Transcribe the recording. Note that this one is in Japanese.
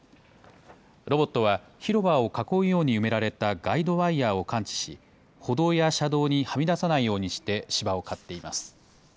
ロボットは広場を囲うように埋められたガイドワイヤーを感知し、歩道や車道にはみ出さないようにして、芝を刈っています。